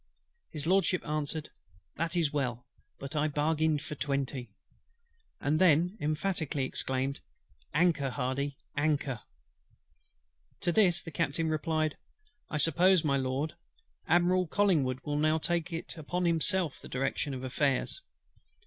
HIS LORDSHIP answered, "That is well, but I bargained for twenty:" and then emphatically exclaimed, "Anchor, HARDY, anchor!" To this the Captain replied: "I suppose, my Lord, Admiral COLLINGWOOD will now take upon himself the direction of affairs."